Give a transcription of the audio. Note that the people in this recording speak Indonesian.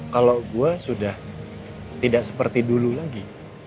kalau gue sudah tidak seperti dulu lagi